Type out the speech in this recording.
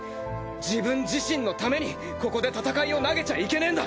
自分自身のためにここで戦いを投げちゃいけねえんだ！